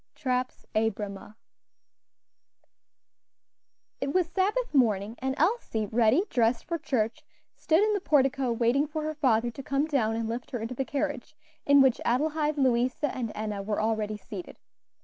TRAP's Abramuh. It was Sabbath morning, and Elsie, ready dressed for church, stood in the portico waiting for her father to come down and lift her into the carriage, in which Adelaide, Louisa, and Enna were already seated.